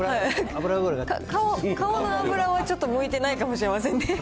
顔の油はちょっと向いてないかもしれませんね。